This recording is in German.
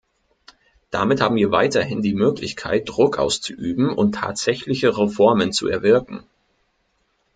Damit haben wir weiterhin die Möglichkeit, Druck auszuüben und tatsächliche Reformen zu erwirken.